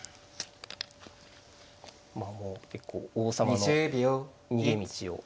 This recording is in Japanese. まあもう結構王様の逃げ道を歩で。